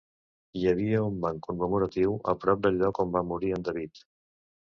Hi havia un banc commemoratiu a prop del lloc on va morir en David.